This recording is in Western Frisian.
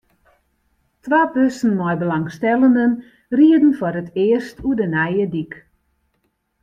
Twa bussen mei belangstellenden rieden foar it earst oer de nije dyk.